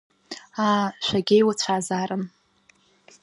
Аа, шәагьеиуацәазаарын.